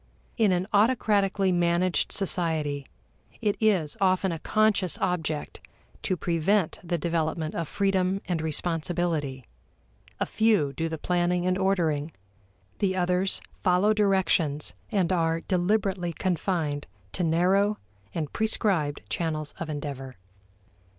In an autocratically managed society, it is often a conscious object to prevent the development of freedom and responsibility, a few do the planning and ordering, the others follow directions and are deliberately confined to narrow and prescribed channels of endeavor.